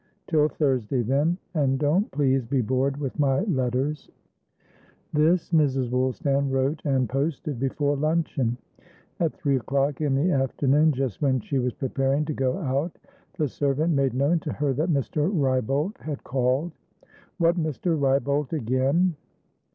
Till Thursday, then, and don't, please, be bored with my letters." This Mrs. Woolstan wrote and posted before luncheon. At three o'clock in the afternoon, just when she was preparing to go out, the servant made known to her that Mr. Wrybolt had called. What, Mr. Wrybolt again!